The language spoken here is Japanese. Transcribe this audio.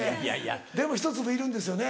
でもひと粒いるんですよね。